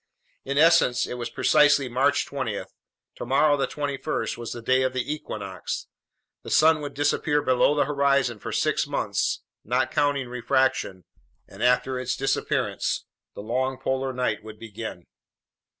In essence, it was precisely March 20. Tomorrow, the 21st, was the day of the equinox; the sun would disappear below the horizon for six months not counting refraction, and after its disappearance the long polar night would begin.